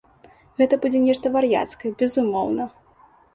Гэта будзе нешта вар'яцкае, безумоўна.